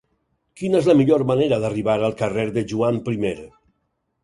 Quina és la millor manera d'arribar al carrer de Joan I?